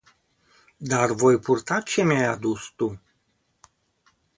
Dar voi purta ce mi-ai adus tu.